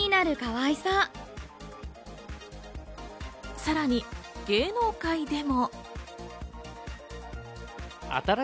さらに芸能界でも。